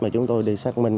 mà chúng tôi đi xác minh